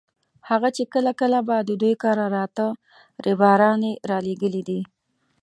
هغه چې کله کله به د دوی کره راته ريباران یې رالېږلي دي.